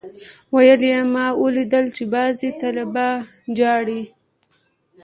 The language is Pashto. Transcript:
ويل يې ما اوليدل چې بعضي طلبا جاړي.